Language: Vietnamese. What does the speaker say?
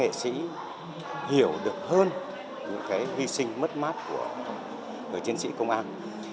trong cái kịch bản này các nghệ sĩ hiểu được hơn những cái hy sinh mất mát của người chiến sĩ công an